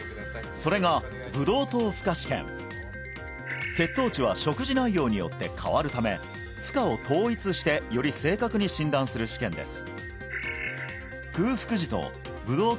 それが血糖値は食事内容によって変わるため負荷を統一してより正確に診断する試験です